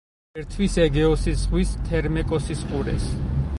ერთვის ეგეოსის ზღვის თერმეკოსის ყურეს.